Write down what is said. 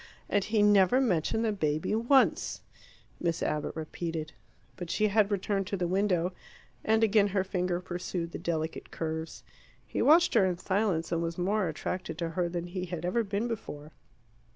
"And he never mentioned the baby once," Miss Abbott repeated. But she had returned to the window, and again her finger pursued the delicate curves. He watched her in silence, and was more attracted to her than he had ever been before.